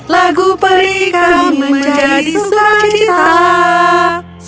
lagu perikami menjadi suara cinta